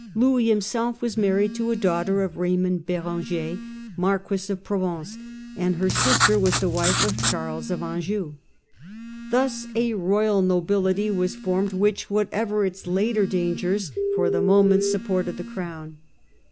Louis himself was married to a daughter of Raymond Berenger, Marquis of Provence, and her sister was the wife of Charles of Anjou. Tlius a royal nobility was formed which, whatever its later dangers, for the moment, sup ported the crown.